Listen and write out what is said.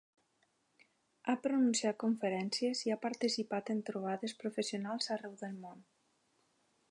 Ha pronunciat conferències i ha participat en trobades professionals arreu del món.